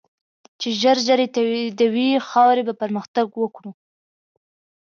چی ژر ژر یی تایدوی ، خاوری به پرمختګ وکړو